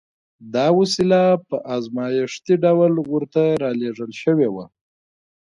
دا وسيله په ازمايښتي ډول ورته را لېږل شوې وه.